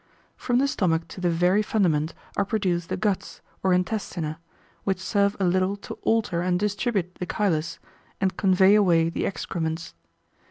From the stomach to the very fundament are produced the guts, or intestina, which serve a little to alter and distribute the chylus, and convey away the excrements.